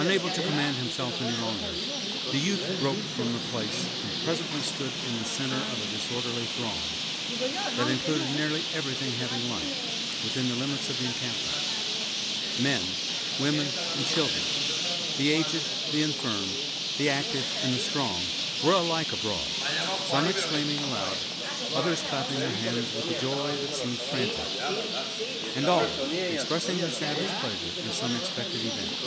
Unable to command himself any longer, the youth broke from the place, and presently stood in the center of a disorderly throng, that included nearly everything having life, within the limits of the encampment. Men, women, and children; the aged, the inform, the active, and the strong, were alike abroad, some exclaiming aloud, others clapping their hands with a joy that seemed frantic, and all expressing their savage pleasure in some unexpected event.